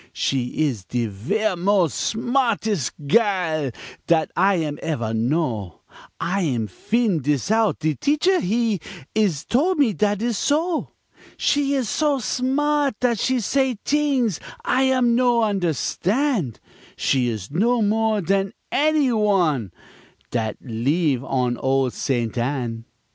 She is de ver' mos' smartes' gairl Dat I am evere know, I'm fin' dis out, de teacher, he Is tol' me dat is so; She is so smart dat she say t'ings I am no understan', She is know more dan any one Dat leeve on ol' Ste. Anne.